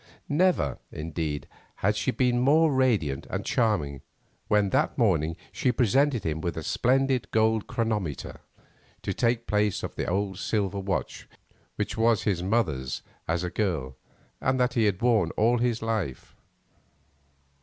Never, indeed, had she been more lovely and charming than when that morning she presented him with a splendid gold chronometer to take the place of the old silver watch which was his mother's as a girl, and that he had worn all his life.